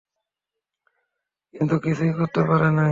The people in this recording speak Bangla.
কিন্তু কিছুই করতে পারে নাই।